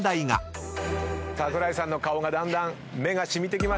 桜井さんの顔がだんだん目が染みてきました。